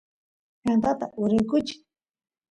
yantata uraykuchiy